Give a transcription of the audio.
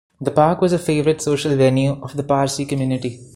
The park was a favourite social venue of the Parsi community.